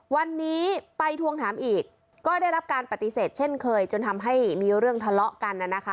วันนี้ไปทวงถามอีกก็ได้รับการปฏิเสธเช่นเคยจนทำให้มีเรื่องทะเลาะกันนะคะ